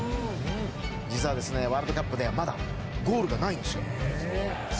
実はワールドカップではまだゴールがないんです。